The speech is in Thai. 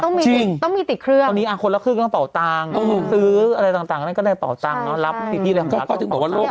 ต้องมีติดเครื่องตอนนี้คนละครึ่งก็ต้องเป่าตังซื้ออะไรต่างก็ได้เป่าตังรับพิธีเรียนรัก